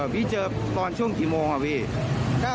พี่เจอตอนช่วงกี่โมงครับพี่